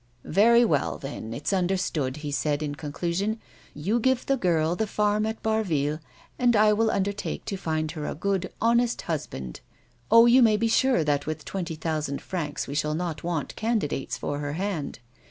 " Very well, then, it's understood," he said, in conclusion. ''You give the girl the farm at Barville and I will under take to find her a good, honest husband. Oh, you may be sure that with twenty thousand francs we shall not want candidates for her hand.